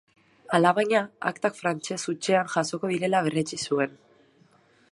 Alabaina, aktak frantses hutsean jasoko direla berretsi zuen.